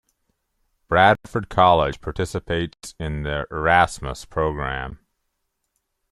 Bradford College participates in the Erasmus Programme.